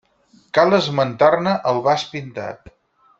Cal esmentar-ne el vas pintat.